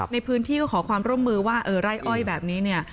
ในพื้นที่ก็ขอความร่วมมือว่าเออไร่อ้อยแบบนี้เนี่ย